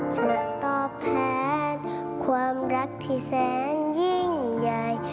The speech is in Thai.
จะตอบแทนความรักที่แสนยิ่งใหญ่